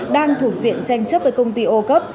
đang thuộc diện tranh chấp với công ty ô cấp